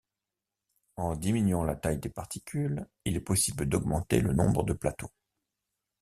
En diminuant la taille des particules, il est possible d’augmenter le nombre de plateaux.